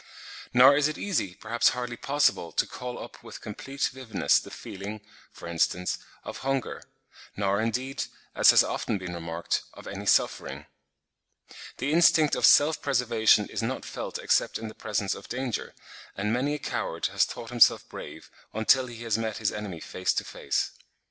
Nor is it easy, perhaps hardly possible, to call up with complete vividness the feeling, for instance, of hunger; nor indeed, as has often been remarked, of any suffering. The instinct of self preservation is not felt except in the presence of danger; and many a coward has thought himself brave until he has met his enemy face to face.